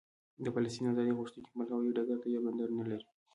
د فلسطین ازادي غوښتونکي خپل هوايي ډګر یا بندر نه لري.